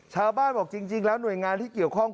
ชาวบ้านบอกจริงแล้วหน่วยงานที่เกี่ยวข้อง